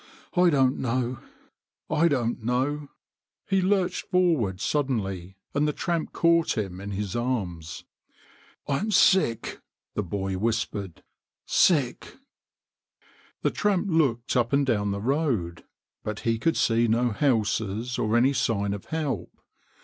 I don't know, I don't know " he lurched forward suddenly, and the tramp caught him in his arms. ON THE BRIGHTON ROAD 85 " I'm sick," the boy whispered " sick." The tramp looked up and down the road, but he could see no houses or any sign of help.